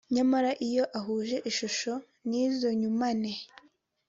Nyamara iyo ahuje ishusho n izo nyumane